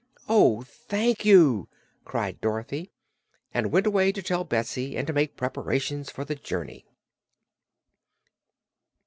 "Oh, thank you!" cried Dorothy, and went away to tell Betsy and to make preparations for the journey.